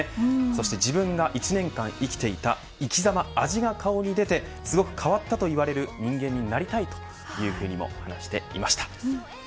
そして自分が１年間生きていた生き様、味が顔に出て、すごく変わったといわれる人間になりたいというふうにも話していました。